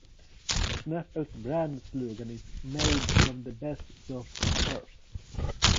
Snapple's brand slogan is Made from the Best Stuff on Earth.